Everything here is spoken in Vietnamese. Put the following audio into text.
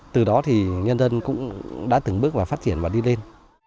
từ đó thì nhân dân cũng đã từng bước và phát triển và đi lên